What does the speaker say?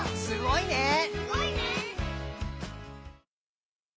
「すごいね」